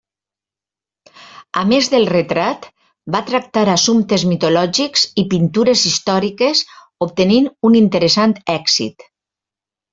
A més del retrat, va tractar assumptes mitològics i pintures històriques, obtenint un interessant èxit.